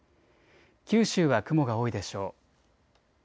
九州は雲が多いでしょう。